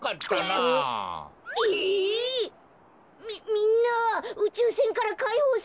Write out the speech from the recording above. みんなうちゅうせんからかいほうされたの？